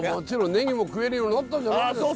ネギも食えるようになったじゃないですか。